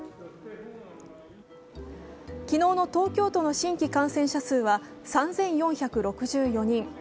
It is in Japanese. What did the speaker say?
昨日の東京都の新規感染者数は３４６４人。